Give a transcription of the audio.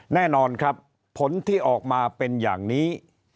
แน่นอนครับผลที่ออกมาเป็นอย่างนี้